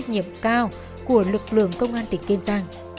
chớp hai lên